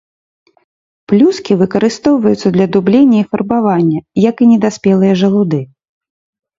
Плюскі выкарыстоўваюцца для дублення і фарбавання, як і недаспелыя жалуды.